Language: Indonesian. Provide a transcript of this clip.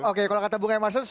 oke kalau kata bung emerson